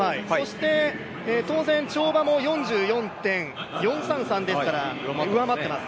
当然跳馬も４４．４３３ですから上回っています。